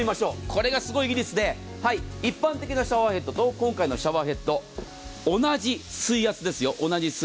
これがすごい技術で一般的なシャワーヘッドと今回のシャワーヘッド同じ水圧ですよ。